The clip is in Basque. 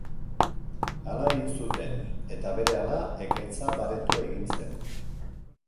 Hala egin zuten, eta, berehala, ekaitza baretu egin zen.